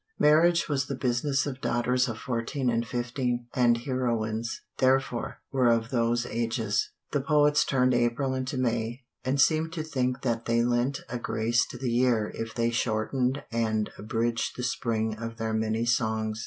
Marriage was the business of daughters of fourteen and fifteen, and heroines, therefore, were of those ages. The poets turned April into May, and seemed to think that they lent a grace to the year if they shortened and abridged the spring of their many songs.